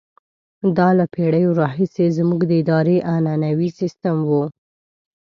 دا له پېړیو راهیسې زموږ د ادارې عنعنوي سیستم وو.